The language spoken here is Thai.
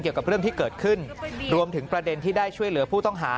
เกี่ยวกับเรื่องที่เกิดขึ้นรวมถึงประเด็นที่ได้ช่วยเหลือผู้ต้องหา